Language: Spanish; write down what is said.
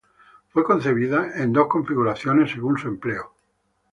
Fue concebida en dos configuraciones según su empleo.